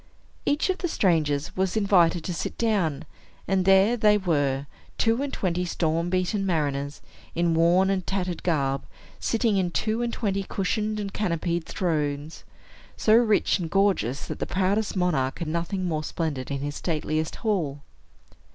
Each of the strangers was invited to sit down; and there they were, two and twenty storm beaten mariners, in worn and tattered garb, sitting on two and twenty cushioned and canopied thrones, so rich and gorgeous that the proudest monarch had nothing more splendid in his stateliest hall.